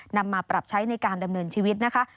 นำมาปรับใช้ในการดำเนินชีวิตนะคะ